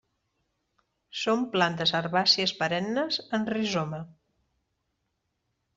Són plantes herbàcies perennes amb rizoma.